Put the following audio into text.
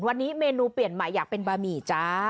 วันนี้เมนูเปลี่ยนใหม่อยากเป็นบะหมี่จ้า